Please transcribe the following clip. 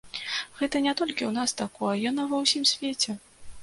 Гэта не толькі ў нас такое, яно ва ўсім свеце.